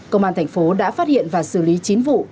công an thành phố đã phát hiện và xử lý chín vụ